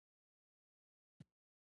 خو د احساساتي مرکز پۀ برخه کې ئې